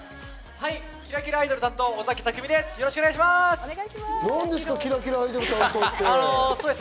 キラキラアイドル担当、尾崎匠海です。